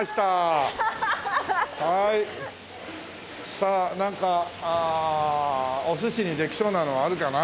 さあなんかお寿司にできそうなのあるかな？